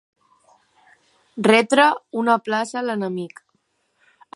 Retre una plaça a l'enemic.